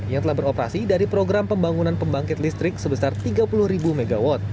yang telah beroperasi dari program pembangunan pembangkit listrik sebesar tiga puluh mw